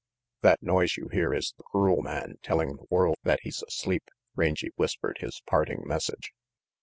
"That noise you hear is the crool man telling the \iorld that he's asleep," Rangy whispered his parting message.